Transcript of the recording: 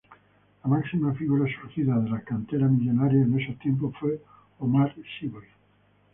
La máxima figura surgida de la cantera millonaria en esos tiempos fue Omar Sívori.